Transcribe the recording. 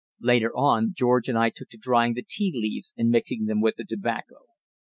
Later on George and I took to drying out the tea leaves and mixing them with the tobacco.